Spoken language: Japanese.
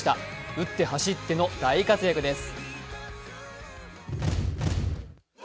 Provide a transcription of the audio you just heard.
打って走っての大活躍です。